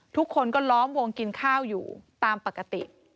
ทุกคนก็ล้อมวงกินข้าวอยู่ตามปกติ